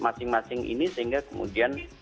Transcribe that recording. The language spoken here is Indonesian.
masing masing ini sehingga kemudian